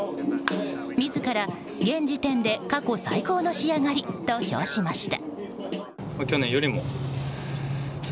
自ら、現時点で過去最高の仕上がりと評しました。